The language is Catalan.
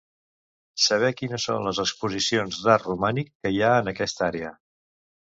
Saber quines són les exposicions d'art romànic que hi ha en aquesta àrea.